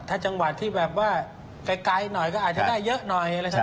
ถ้าจังหวัดที่แบบว่าไกลหน่อยก็อาจจะได้เยอะหน่อยอะไรสัก